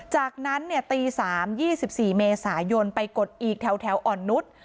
จากนั้นเนี่ยตีสามยี่สิบสี่เมษายนไปกดอีกแถวแถวอ่อนนุษย์